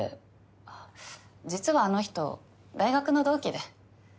あっ実はあの人大学の同期で。